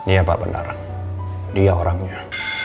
iya pak bentar dia orangnya